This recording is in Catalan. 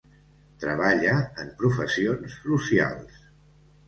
Treballa en professions socials.